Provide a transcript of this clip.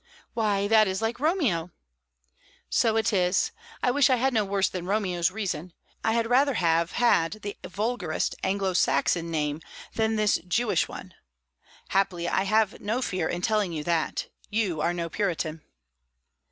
"Why, that is like Romeo!" "So it is; I wish I had no worse than Romeo's reason. I had rather have had the vulgarest Anglo Saxon name than this Jewish one. Happily, I need have no fear in telling you that; you are no Puritan."